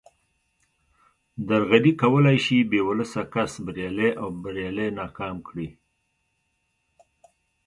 درغلي کولای شي بې ولسه کس بریالی او بریالی ناکام کړي